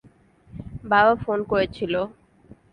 বাবা ফোন করেছিলো।